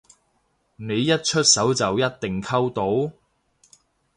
你一出手就一定溝到？